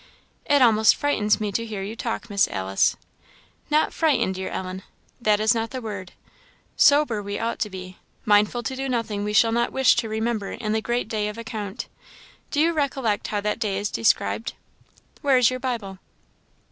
"It almost frightens me to hear you talk, Miss Alice." "Not frighten, dear Ellen that is not the word; sober we ought to be mindful to do nothing we shall not wish to remember in the great day of account. Do you recollect how that day is described? Where is your Bible?"